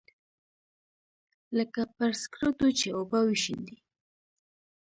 لکه پر سکروټو چې اوبه وشيندې.